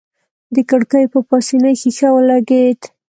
د کړکۍ په پاسنۍ ښيښه ولګېد.